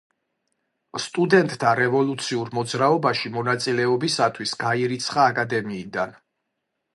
სტუდენტთა რევოლუციურ მოძრაობაში მონაწილეობისათვის გაირიცხა აკადემიიდან.